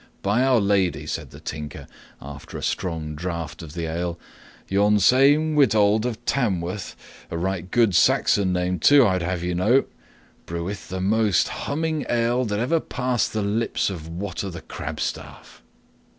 "By Our Lady," said the Tinker, after a long draught of the ale, "yon same Withold of Tamworth a right good Saxon name, too, I would have thee know breweth the most humming ale that e'er passed the lips of Wat o' the Crabstaff."